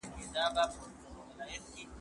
ايا ته مېوې راټولې کوې!.